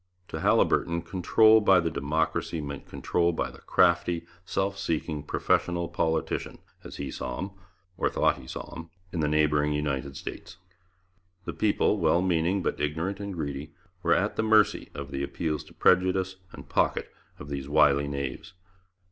To Haliburton, control by the democracy meant control by the crafty, self seeking professional politician, as he saw him, or thought he saw him, in the neighbouring United States. The people, well meaning, but ignorant and greedy, were at the mercy of the appeals to prejudice and pocket of these wily knaves.